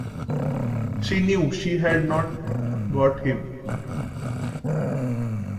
She knew she had not got him.